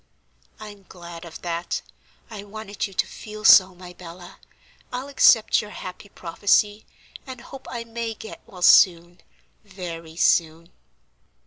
"I'm glad of that; I wanted you to feel so, my Bella. I'll accept your happy prophecy, and hope I may get well soon, very soon."